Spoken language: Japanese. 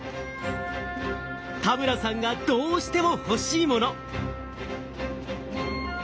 田村さんがどうしても欲しいもの。